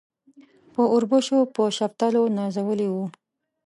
په اوربشو په شفتلو نازولي وو.